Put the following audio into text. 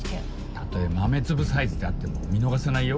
たとえ豆粒サイズであっても見逃さないよ